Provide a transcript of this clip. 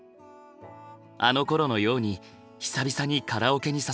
あのころのように久々にカラオケに誘った。